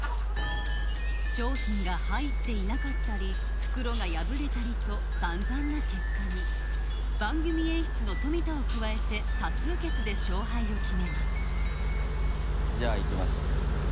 商品が入っていなかったり袋が破れたりと散々な結果に番組演出の富田を加えて多数決で勝敗を決めますじゃあいきますよ。